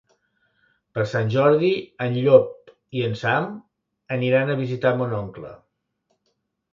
Per Sant Jordi en Llop i en Sam aniran a visitar mon oncle.